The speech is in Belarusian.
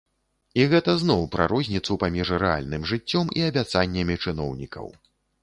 І гэта зноў пра розніцу паміж рэальным жыццём і абяцаннямі чыноўнікаў.